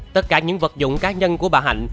tất cả những vật dụng cá nhân của bà hạnh